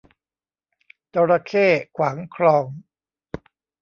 จระเข้ขวางคลอง